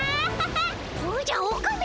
おじゃオカメ！